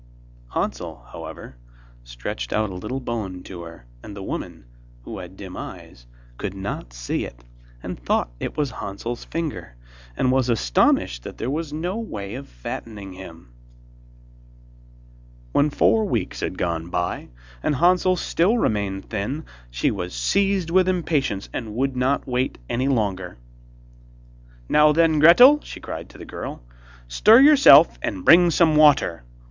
Hansel, however, stretched out a little bone to her, and the old woman, who had dim eyes, could not see it, and thought it was Hansel's finger, and was astonished that there was no way of fattening him. When four weeks had gone by, and Hansel still remained thin, she was seized with impatience and would not wait any longer. 'Now, then, Gretel,' she cried to the girl, 'stir yourself, and bring some water.